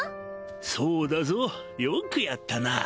そうだぞよくやったな